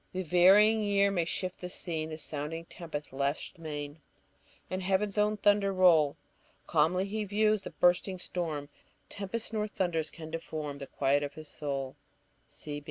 The varying year may shift the scene, The sounding tempest lash the main, And heaven's own thunder roll; Calmly he views the bursting storm, Tempests nor thunders can deform The quiet of his soul."